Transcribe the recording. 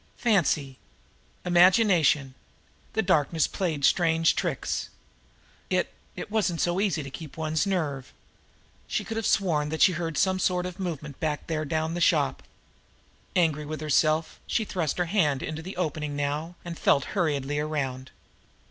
Fancy! Imagination! The darkness played strange tricks! It it wasn't so easy to keep one' s nerve. She could have sworn that she had heard some sort of movement back there down the shop. Angry with herself, she thrust her hand into the opening now and felt hurriedly around.